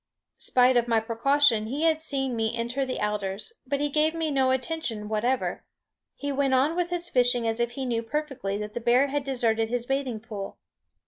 Spite of my precaution he had seen me enter the alders; but he gave me no attention whatever. He went on with his fishing as if he knew perfectly that the bear had deserted his bathing pool.